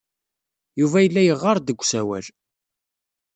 Yuba yella yeɣɣar-d deg usawal.